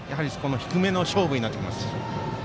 低めの勝負になってきます。